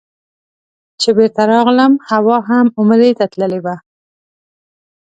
چې بېرته راغلم حوا هم عمرې ته تللې وه.